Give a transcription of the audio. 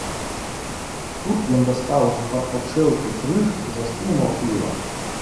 Тут ён дастаў з-пад падшэўкі крыж і застыў маўкліва.